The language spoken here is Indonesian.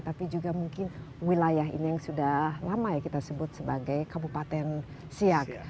tapi juga mungkin wilayah ini yang sudah lama ya kita sebut sebagai kabupaten siak